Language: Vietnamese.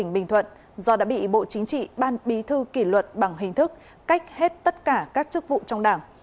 bí thư kỷ luật bằng hình thức cách hết tất cả các chức vụ trong đảng